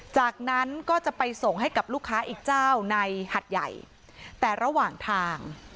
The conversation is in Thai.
จากนั้นก็จะไปส่งให้กับลูกค้าอีกเจ้าในหัดใหญ่แต่ระหว่างทาง